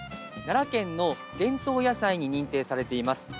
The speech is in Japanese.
奈良県の伝統野菜に認定されています。